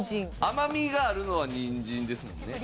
甘みがあるのはにんじんですもんね。